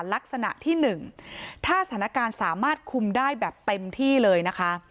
ลักษณะที่๑ถ้าสถานการณ์สามารถคุมได้แบบเต็มที่เลยนะคะ